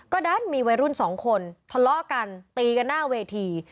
ก็ดันมีวัยรุ่นสองคนทะเลาะกันตีกันหน้าเวที